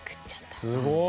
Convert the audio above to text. すごい。